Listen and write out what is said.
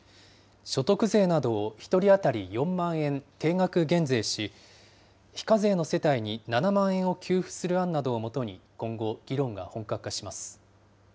所得税などを１人当たり４万円、定額減税し、非課税の世帯に７万円を給付する案などをもとに今後、議論が本格化します。